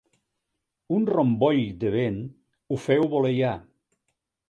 Un romboll de vent ho feu voleiar.